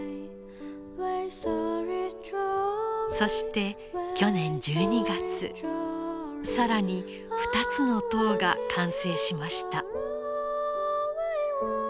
そして去年１２月更に２つの塔が完成しました。